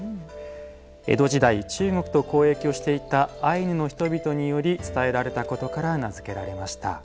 江戸時代中国と交易をしていたアイヌの人々により伝えられたことから名付けられました。